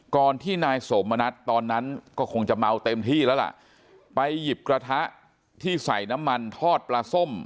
ก่อนที่นายสมณัฐตอนนั้นก็คงจะเมาเต็มที่แล้วล่ะไปหยิบกระทะที่ใส่น้ำมันทอดปลาส้ม